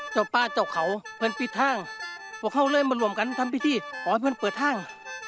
เจ้าป่าเจ้าเขาเพื่อนปิดท่าง